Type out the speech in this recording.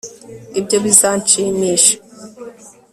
Ibyo bizanshimisha